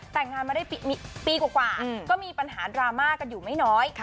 แต่งงานมาได้ปีกว่าก็มีปัญหาดราม่ากันอยู่ไม่น้อย